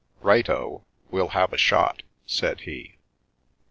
" Right O ! We'll have a shot," said he.